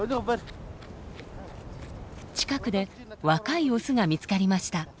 近くで若いオスが見つかりました。